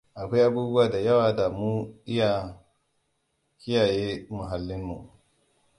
Akwai abubuwa da yawa da za mu iya kiyaye muhallinmu.